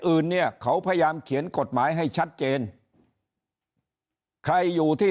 อื่นเนี่ยเขาพยายามเขียนกฎหมายให้ชัดเจนใครอยู่ที่